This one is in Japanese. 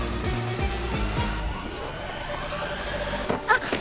あっ。